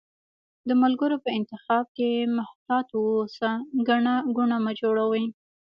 د ملګرو په انتخاب کښي محتاط اوسی، ګڼه ګوڼه مه جوړوی